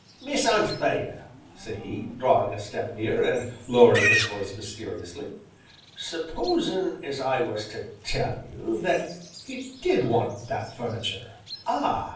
"Miss Anthea," said he, drawing a step nearer, and lowering his voice mysteriously, "supposing as I was to tell you that 'e did want that furnitur', ah!